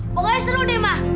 pokoknya seru deh ma